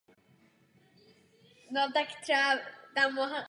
Byl rovněž aktivní jako dabér.